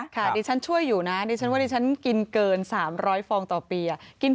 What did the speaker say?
ค่ะดิฉันช่วยอยู่นะดิฉันกินเกิน๓๐๐ฟองต่อปี